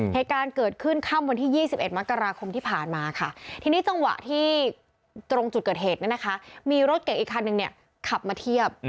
เหตุการณ์เกิดขึ้นค่ำวันที่๒๑มกราคมที่ผ่านมาค่ะทีนี้จังหวะที่ตรงจุดเกิดเหตุเนี่ยนะคะมีรถเก่งอีกคันนึงเนี่ยขับมาเทียบ